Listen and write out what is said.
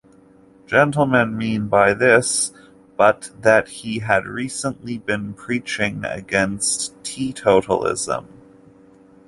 Gentleman mean by this, but that he had recently been preaching against Teetotalism?